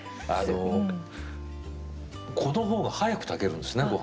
この方が早く炊けるんですね